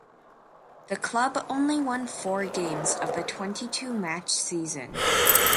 The club only won four games of the twenty-two match season.